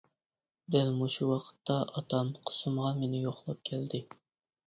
دەل مۇشۇ ۋاقىتتا ئاتام قىسىمغا مېنى يوقلاپ كەلدى.